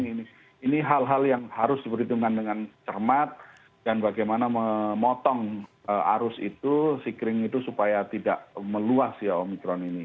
ini hal hal yang harus diperhitungkan dengan cermat dan bagaimana memotong arus itu sea kering itu supaya tidak meluas ya omikron ini